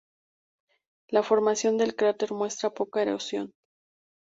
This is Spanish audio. La formación del cráter muestra poca erosión.